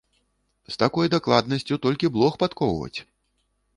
З такой дакладнасцю толькі блох падкоўваць!